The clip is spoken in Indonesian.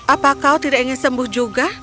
apa kau tidak ingin sembuh juga